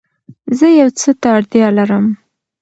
زه يو څه ته اړتيا لرم